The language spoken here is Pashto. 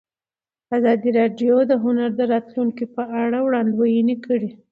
ازادي راډیو د هنر د راتلونکې په اړه وړاندوینې کړې.